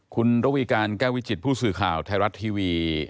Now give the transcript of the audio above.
คุณระวีการแก้ววิจิตผู้สื่อข่าวไทยรัฐทีวี